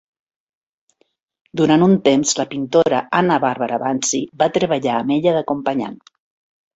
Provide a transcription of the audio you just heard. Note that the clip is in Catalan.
Durant un temps, la pintora Anna Barbara Bansi va treballar amb ella d'acompanyant.